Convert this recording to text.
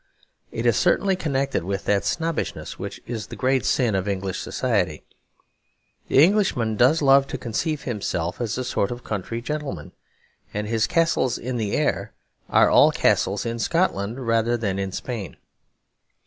It is certainly connected with that snobbishness which is the great sin of English society. The Englishman does love to conceive himself as a sort of country gentleman; and his castles in the air are all castles in Scotland rather than in Spain.